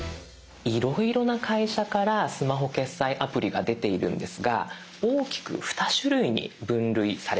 いろいろな会社からスマホ決済アプリが出ているんですが大きく二種類に分類されます。